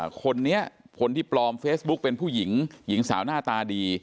คนนี้คนที่ปลอมเฟซบุ๊กเป็นผู้หญิงหญิงสาวหน้าตาดี